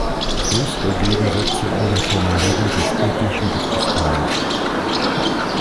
Größere Gegensätze in der Formulierung des Ethischen gibt es kaum.